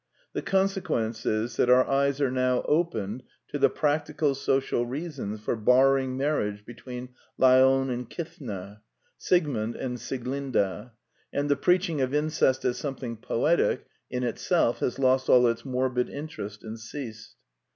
The conse quence is that our eyes are now opened to the practical social rea sons for barring marriage between Laon and Cythna, Siegmund and Sieglinda; and the preaching of incest as something poetic in itself has lost all its morbid interest and ceased.